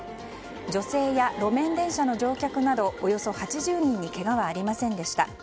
女性や路面電車の乗客などおよそ８０人にけがはありませんでした。